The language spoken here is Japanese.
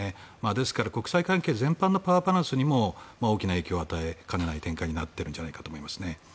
ですから、国際関係全般のパワーバランスにも大きな影響を与えかねない展開になっているんじゃないかと思います。